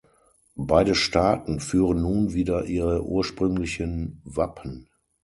Beide Staaten führen nun wieder ihre ursprünglichen Wappen.